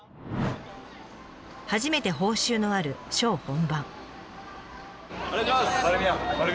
初めて報酬のあるショー本番。